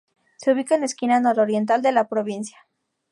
Se ubica en la esquina nororiental de la provincia.